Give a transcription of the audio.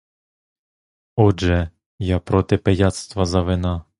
Отже, я проти пияцтва за вина.